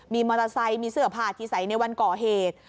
มีมอเตอร์ไซค์มีเสื้อผ้าที่ใส่ในวันก่อเหตุ